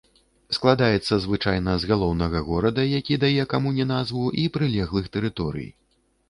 Складаецца звычайна з галоўнага горада, які дае камуне назву, і прылеглых тэрыторый.